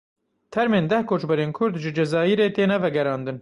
Termên deh koçberên Kurd ji Cezayirê têne vegerandin.